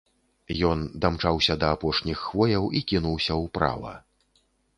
Ён дамчаўся да апошніх хвояў і кінуўся ўправа.